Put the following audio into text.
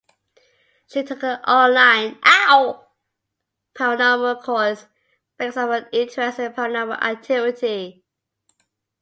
She took an online paranormal course because of her interest in paranormal activity.